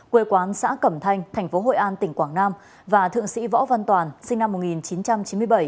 quê quán xã cẩm thanh thành phố hội an tỉnh quảng nam và thượng sĩ võ văn toàn sinh năm một nghìn chín trăm chín mươi bảy